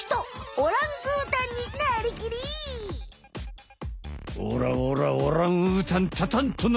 オラオラオランウータンたたんとな！